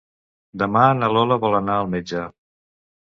Demà na Lola vol anar al metge.